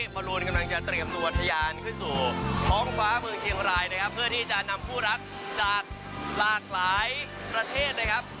บอลลูนกำลังจะเตรียมตัวทะยานขึ้นสู่ท้องฟ้าเมืองเชียงรายนะครับเพื่อที่จะนำคู่รักจากหลากหลายประเทศนะครับ